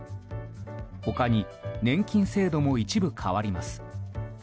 他に、年金制度も一部変わります。